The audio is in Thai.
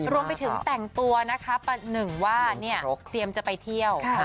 รวมไปถึงแต่งตัวนะคะประหนึ่งว่าเนี่ยเตรียมจะไปเที่ยว